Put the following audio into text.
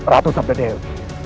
ratu sabda dewi